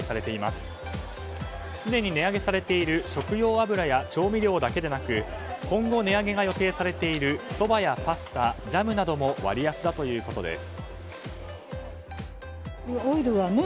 すでに値上げされている食用油や調味料だけでなく今後値上げが予定されているそばやパスタ、ジャムなども割安だということです。